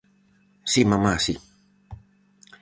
-Si, mamá, si.